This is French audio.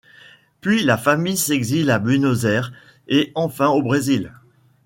Puis la famille s'exile à Buenos Aires et enfin au Brésil.